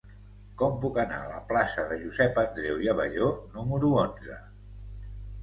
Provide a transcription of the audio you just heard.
Com puc anar a la plaça de Josep Andreu i Abelló número onze?